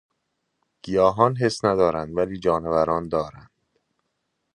گیاهان حس ندارند ولی جانوران دارند.